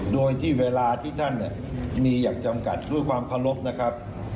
โดยที่เวลาที่ท่านเนี่ยมีอยากจำกัดด้วยความพลบนะครับ